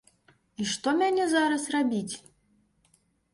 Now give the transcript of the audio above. І што мяне зараз рабіць?